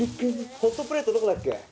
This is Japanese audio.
ホットプレートどこだっけ？